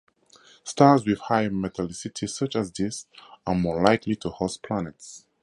Stars with higher metallicity such as this are more likely to host planets.